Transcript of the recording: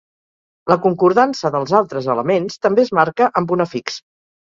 La concordança dels altres elements també es marca amb un afix.